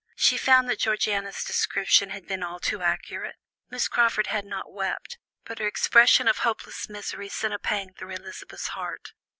She found that Georgiana's description had been all too accurate. Miss Crawford had not wept, but her expression of hopeless misery sent a pang through Elizabeth's heart.